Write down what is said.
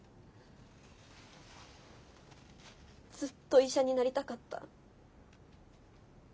ずっと医者になりたかった。